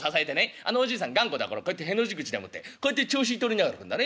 頑固だからこうやってへの字口でもってこうやって調子取りながら歩くんだね。